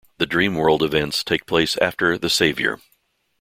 The Dream World events take place after "The Savior".